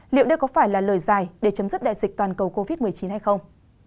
liệu đây có phải là lời dài để chấm dứt đại dịch toàn cầu covid một mươi chín hay không